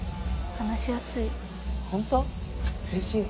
話しやすい。